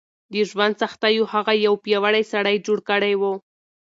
د ژوند سختیو هغه یو پیاوړی سړی جوړ کړی و.